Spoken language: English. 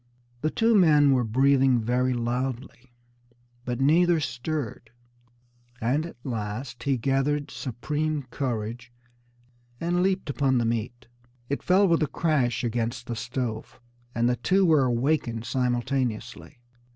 The two men were breathing very loudly, but neither stirred; and at last he gathered supreme courage, and leaped upon the meat. It fell with a crash against the stove, and the two were awakened simultaneously.